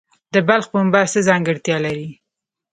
د بلخ پنبه څه ځانګړتیا لري؟